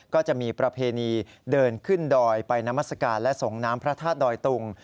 ก็จะมีประเพณีเดินขึ้นดอยไปนามัศกาลและส่งน้ำพระธาตุดอยตุง